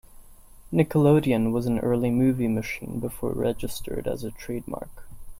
"Nickelodeon" was an early movie machine before registered as a trademark.